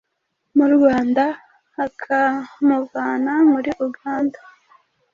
mu Rwanda akamuvana muri Uganda.